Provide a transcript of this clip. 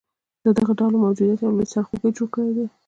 د دغه ډلو موجودیت یو لوی سرخوږې جوړ کړیدی